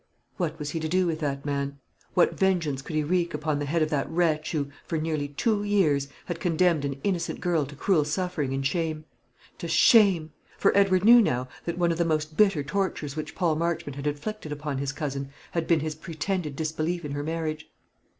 What was he to do with that man? What vengeance could he wreak upon the head of that wretch who, for nearly two years, had condemned an innocent girl to cruel suffering and shame? To shame; for Edward knew now that one of the most bitter tortures which Paul Marchmont had inflicted upon his cousin had been his pretended disbelief in her marriage.